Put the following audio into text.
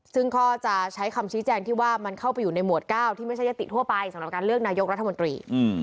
ซึ่งก็จะใช้คำชี้แจงที่ว่ามันเข้าไปอยู่ในหมวด๙ที่ไม่ใช่ยติทั่วไปสำหรับการเลือกนายกรัฐมนตรี